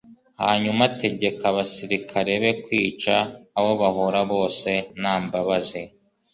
hanyuma ategeka abasirikare be kwica abo bahura bose nta mbabazi